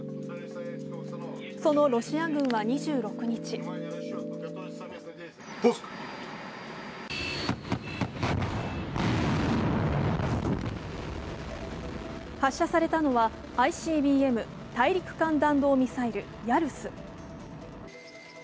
そのロシア軍は２６日発射されたのはＩＣＢＭ＝大陸間弾道ミサイル、ヤルス。